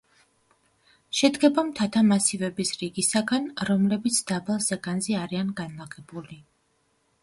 შედგება მთათა მასივების რიგისაგან, რომლებიც დაბალ ზეგანზე არიან განლაგებული.